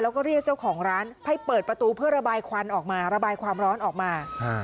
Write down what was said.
แล้วก็เรียกเจ้าของร้านให้เปิดประตูเพื่อระบายควันออกมาระบายความร้อนออกมา